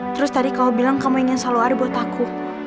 terus tadi kamu bilang kamu ingin saloari buat aku